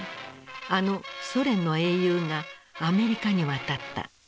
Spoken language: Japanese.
あのソ連の英雄がアメリカに渡った。